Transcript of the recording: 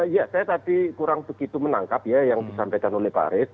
ya saya tadi kurang begitu menangkap ya yang disampaikan oleh pak arief